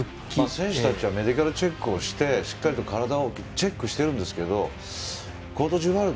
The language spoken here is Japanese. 選手たちはメディカルチェックをしてしっかりと体をチェックしているんですけどコートジボワール